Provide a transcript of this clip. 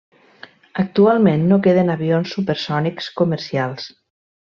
Actualment no queden avions supersònics comercials.